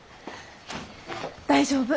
大丈夫。